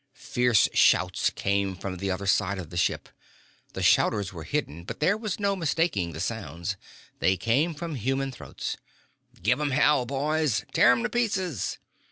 Fierce shouts came from the other side of the ship. The shouters were hidden, but there was no mistaking the sounds. They came from human throats. "Give 'em hell, boys!" "Tear 'em to pieces!"